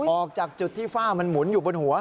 ออกจากจุดที่ฝ้ามันหมุนอยู่บนหัว